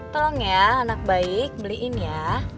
tolong ya anak baik beliin ya